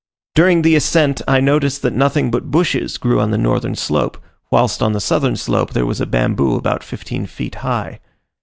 During the ascent I noticed that nothing but bushes grew on the northern slope, whilst on the southern slope there was a bamboo about fifteen feet high.